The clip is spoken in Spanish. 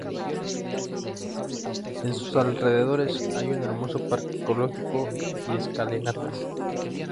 En sus alrededores hay un hermoso parque ecológico y escalinatas.